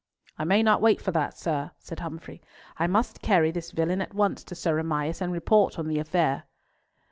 "I may not wait for that, sir," said Humfrey. "I must carry this villain at once to Sir Amias and report on the affair."